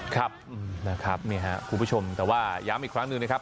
ครับนะครับนี่ครับคุณผู้ชมแต่ว่าย้ำอีกครั้งหนึ่งนะครับ